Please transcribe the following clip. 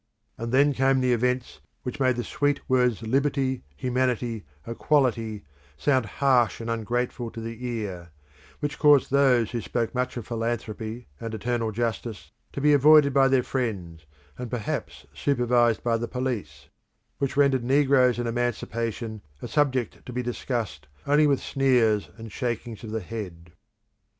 And then came events which made the sweet words Liberty, Humanity, Equality, sound harsh and ungrateful to the ear: which caused those who spoke much of philanthropy, and eternal justice, to be avoided by their friends, and perhaps supervised by the police; which rendered negroes and emancipation a subject to be discussed only with sneers and shakings of the head.